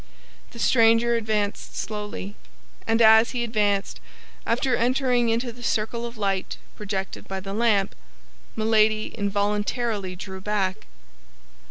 The stranger advanced slowly, and as he advanced, after entering into the circle of light projected by the lamp, Milady involuntarily drew back.